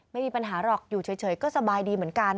ไม่มีปัญหาหรอกอยู่เฉยก็สบายดีเหมือนกัน